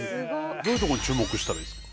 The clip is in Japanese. どういうとこに注目したらいいですか？